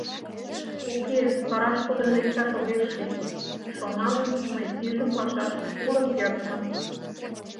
«Уке, вараш кодын лекташ огеш лий», Шоналын, мый пижым пашаш уло кертмын.